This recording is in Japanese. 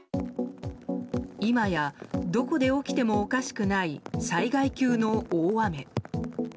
今やどこで起きてもおかしくない災害級の大雨。